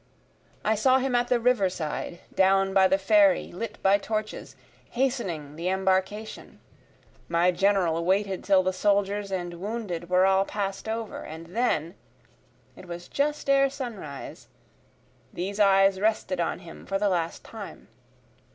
I saw him at the river side, Down by the ferry lit by torches, hastening the embarcation; My General waited till the soldiers and wounded were all pass'd over, And then, (it was just ere sunrise,) these eyes rested on him for the last time.